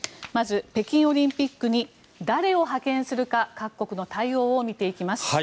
まず北京オリンピックに誰を派遣するか各国の対応を見ていきます。